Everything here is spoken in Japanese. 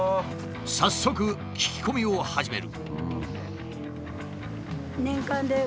早速聞き込みを始める。